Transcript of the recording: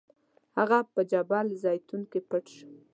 هغه په جبل الزیتون کې پټ شو.